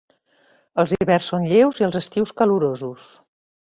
Els hiverns són lleus i els estius calorosos.